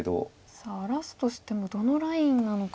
さあ荒らすとしてもどのラインなのかが。